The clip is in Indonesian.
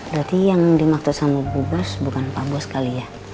berarti yang dimaksud sama bubos bukan pabos kali ya